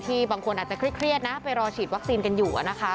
บางคนอาจจะเครียดนะไปรอฉีดวัคซีนกันอยู่